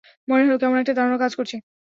মনে হলো কেমন একটা তাড়না কাজ করছে।